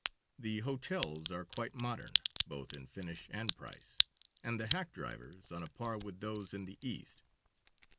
The hotels are quite modern, both in finish and price, and the hack drivers on a par with those in the East.